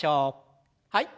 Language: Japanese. はい。